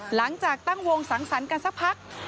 หลังจากตั้งวงสังสรรค์กันสักพัก